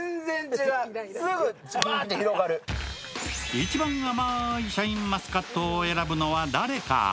一番甘いシャインマスカットを選ぶのは誰か？